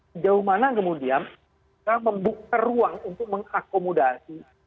sejauh mana kemudian kita membuka ruang untuk mengakomodasi